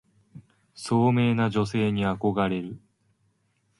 聡明な女性に憧れる